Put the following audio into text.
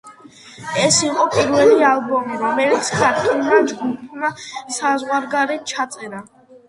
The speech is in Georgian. ეს იყო პირველი ალბომი, რომელიც ქართულმა ჯგუფმა საზღვარგარეთ ჩაწერა.